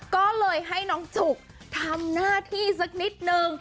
ก็เลยให้น้องจุกทำหน้าที่สักนิดนึง